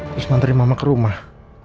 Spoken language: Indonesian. terus manteri mama ke rumah